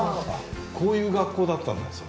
こういう学校だったんですよ。